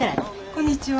こんにちは。